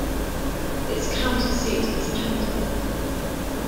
Its county seat is Pender.